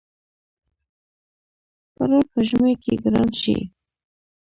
پروړ په ژمی کی ګران شی.